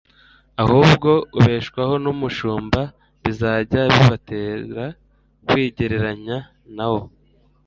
ahubwo ubeshwaho n'umushumba, bizajya bibatera kwigereranya na wo.